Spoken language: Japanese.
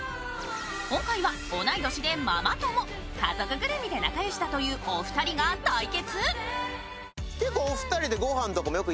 今回は同い年でママ友、家族ぐるみで仲良しだというお二人が対決。